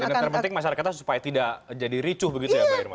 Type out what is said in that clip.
dan yang terpenting masyarakatnya supaya tidak jadi ricuh begitu ya pak irma ya